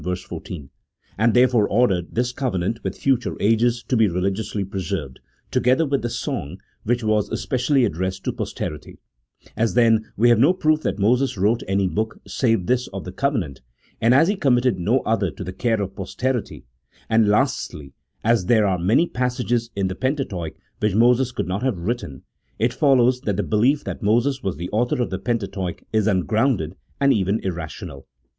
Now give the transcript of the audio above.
14), and therefore ordered this covenant with future ages to be religiously preserved, together with the Song, which was especially addressed to posterity : as, then, we have no proof that Moses wrote any book save this of the covenant, and as he committed no other to the care of posterity ; and, lastly, as there are many passages in the Pentateuch which Moses could not have written, it follows that the belief that Moses was the author of the Pentateuch is ungrounded and even irrational.